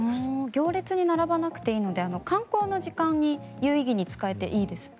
行列に並ばなくていいので観光の時間に有意義に使えていいですね。